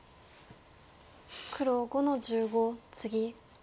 黒５の十五ツギ。